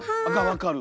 分かる。